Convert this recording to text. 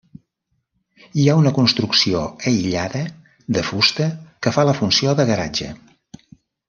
Hi ha una construcció aïllada de fusta que fa la funció de garatge.